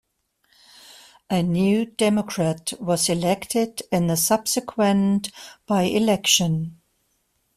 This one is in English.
A New Democrat was elected in the subsequent by-election.